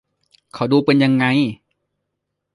เขาดูเป็นยังไง